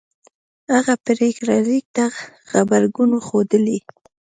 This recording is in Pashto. هغه پرېکړه لیک ته غبرګون ښودلی